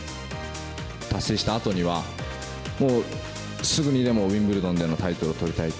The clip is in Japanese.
達成したあとには、もう、すぐにでもウィンブルドンでのタイトルをとりたい。